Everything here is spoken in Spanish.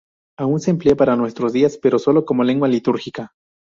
Aún se emplea en nuestros días, pero sólo como lengua litúrgica.